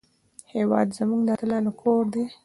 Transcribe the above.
هېواد زموږ د اتلانو کور دی